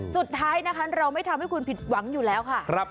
สุดท้ายนะคะเราไม่ทำให้คุณผิดหวังอยู่แล้วค่ะ